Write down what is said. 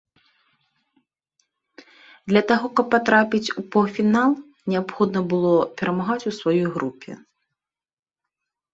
Для таго, каб патрапіць у паўфінал неабходна было перамагаць у сваёй групе.